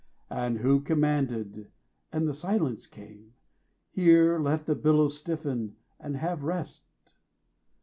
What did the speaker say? And who commanded (and the silence came), Here let the billows stiffen, and have rest?